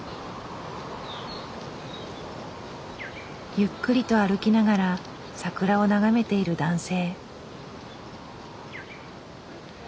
ゆっくりと歩きながら桜を眺めている男性。